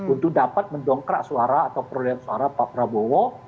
untuk dapat mendongkrak suara atau perolehan suara pak prabowo